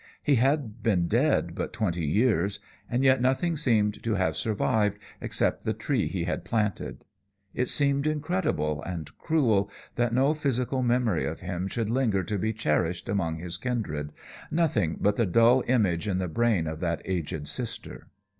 He had been dead but twenty years, and yet nothing seemed to have survived except the tree he had planted. It seemed incredible and cruel that no physical memory of him should linger to be cherished among his kindred, nothing but the dull image in the brain of that aged sister.